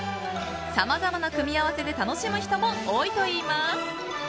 さまざまな組み合わせで楽しむ人も多いといいます。